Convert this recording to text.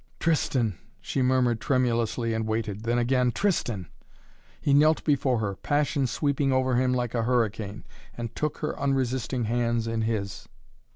"Tristan!" she murmured tremulously and waited. Then again: "Tristan!" He knelt before her, passion sweeping over him like a hurricane, and took her unresisting hands in his.